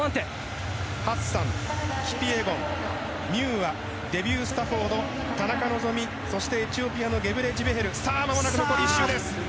ハッサン、キピエゴン、ミューアデビュー・スタフォード田中希実そしてエチオピアのゲブレジベヘル。